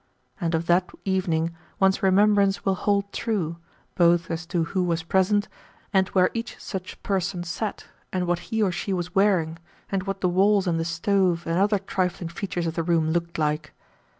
And of that evening one's remembrance will hold true, both as to who was present, and where each such person sat, and what he or she was wearing, and what the walls and the stove and other trifling features of the room looked like.